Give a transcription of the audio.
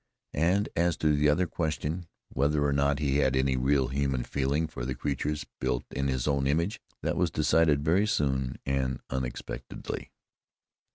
And as to the other question, whether or not he had any real human feeling for the creatures built in his own image, that was decided very soon and unexpectedly.